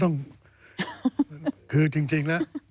ก็ต้องคือจริงนะ